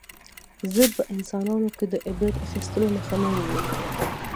زه په انسانانو کې د عبرت اخیستلو نښه نه وینم